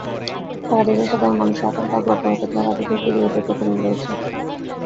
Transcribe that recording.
সারা দেশের সাধারণ মানুষের আকাঙ্ক্ষার গড়পড়তা চেহারাটি ধরতে জরিপের প্রচলন রয়েছে।